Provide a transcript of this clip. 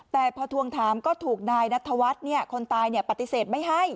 แต่พอทวงถามก็ถูกนายนัทวัฒน์คนตายปฏิเสธไม่ให้